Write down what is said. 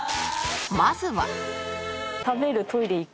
まずは